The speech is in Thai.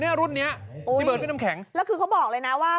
เนี่ยรุ่นนี้โอ้ยดีเบิร์นพี่น้ำแข็งแล้วคือเขาบอกเลยน่ะว่า